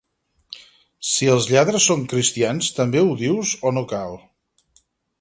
Si els lladres són cristians també ho dius o no cal?